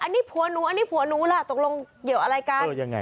อันนี้ผัวหนูอันนี้ผัวหนูล่ะตกลงเกี่ยวอะไรกัน